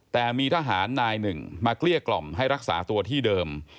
แต่มีทหารนายหนึ่งมาเกลี้ยกล่อมให้รักษาตัวที่เดิม